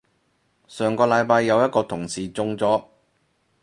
上個禮拜有一個同事中咗